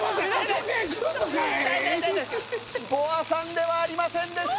ＢｏＡさんではありませんでした！